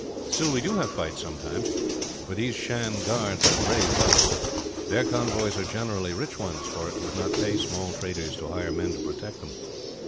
Still, we do have fights sometimes, for these Shan guards are brave fellows. Their convoys are generally rich ones, for it would not pay small traders to hire men to protect them.